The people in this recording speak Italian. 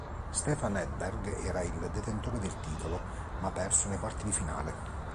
Stefan Edberg era il detentore del titolo, ma ha perso nei quarti di finale.